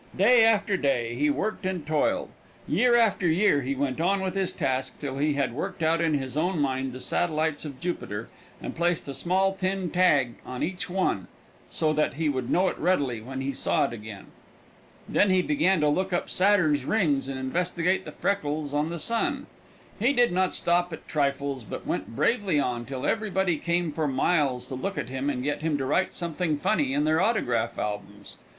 Day after day he worked and toiled. Year after year he went on with his task till he had worked out in his own mind the satellites of Jupiter and placed a small tin tag on each one, so that he would know it readily when he saw it again. Then he began to look up Saturn's rings and investigate the freckles on the sun. He did not stop at trifles, but went bravely on till everybody came for miles to look at him and get him to write something funny in their autograph albums.